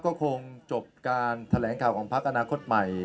ก็คงจบการแถลงข่าวของพักอนาคตใหม่